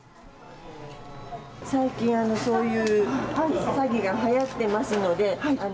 最近そういう詐欺がはやっていますので。